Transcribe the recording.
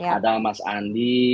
ada mas andi